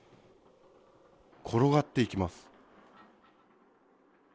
転がっていきます。